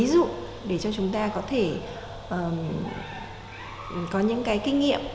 hai phượng là một bộ phim mà là một ví dụ để cho chúng ta có thể có những cái kinh nghiệm